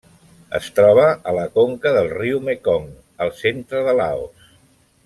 Es troba a la conca del riu Mekong al centre de Laos.